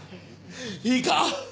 いいか？